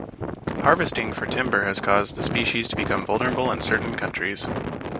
Harvesting for timber has caused the species to become vulnerable in certain countries.